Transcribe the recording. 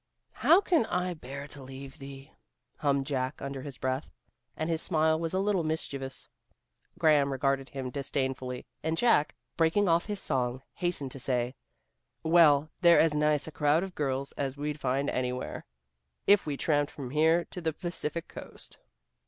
"'How can I bear to leave thee,'" hummed Jack under his breath, and his smile was a little mischievous. Graham regarded him disdainfully, and Jack, breaking off his song, hastened to say: "Well, they're as nice a crowd of girls as we'd find anywhere, if we tramped from here to the Pacific coast."